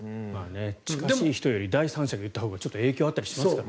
近しい人より第三者が言ったほうがちょっと影響があったりしますからね。